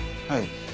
はい。